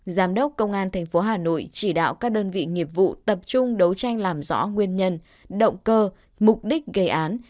giám đốc công an tp hà nội chỉ đạo các đơn vị nghiệp vụ tập trung đấu tranh làm rõ nguyên nhân động cơ mục đích gây án